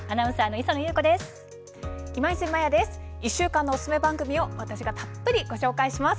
１週間のおすすめ番組をたっぷり紹介します。